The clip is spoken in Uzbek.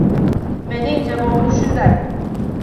— Mening javobim shunday: